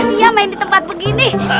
dia main di tempat begini